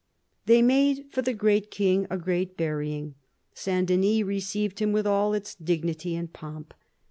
They made for the great king a great burying. S. Denys received him with all its dignity and pomp.